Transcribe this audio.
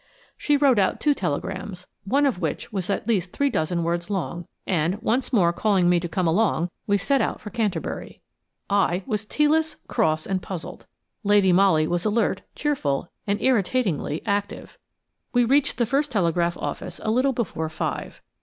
She wrote out two telegrams–one of which was at least three dozen words long–and, once more calling to me to come along, we set out for Canterbury. I was tea less, cross, and puzzled. Lady Molly was alert, cheerful, and irritatingly active. We reached the first telegraph office a little before five.